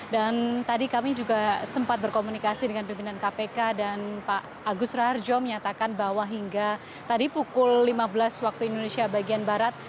dan tadi kami juga sempat berkomunikasi dengan pimpinan kpk dan pak agus rarjo menyatakan bahwa hingga tadi pukul lima belas waktu indonesia bagian barat